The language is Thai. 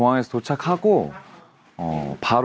เป็นแน่ใจหรือเปล่า